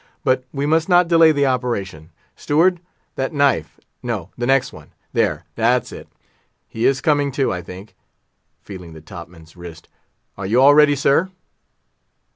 But we must not delay the operation. Steward, that knife—no, the next one—there, that's it. He is coming to, I think"—feeling the top man's wrist. "Are you all ready, sir?"